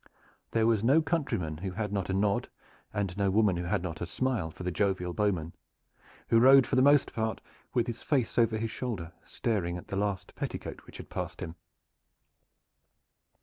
There was no countryman who had not a nod and no woman who had not a smile for the jovial bowman, who rode for the most part with his face over his shoulder, staring at the last petticoat which had passed him.